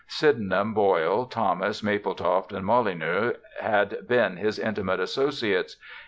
Syden ham, Boyle, Thomas, Mapletoft, and Molyneaux had been his intimate associates.